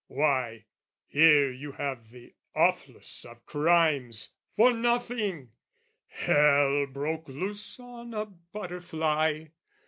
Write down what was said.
Why, here you have the awfulest of crimes For nothing! Hell broke loose on a butterfly!